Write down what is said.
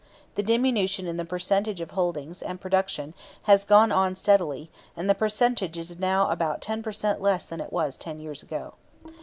The diminution in the percentage of holdings, and production, has gone on steadily, and the percentage is now about ten per cent less than it was ten years ago.